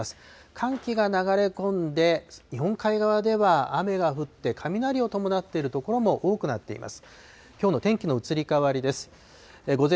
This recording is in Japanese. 寒気が流れ込んで、日本海側では雨が降って、雷を伴っている所も多くなっています。